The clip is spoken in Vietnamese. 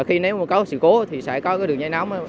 khi nếu có sự cố thì sẽ có đường dây nóng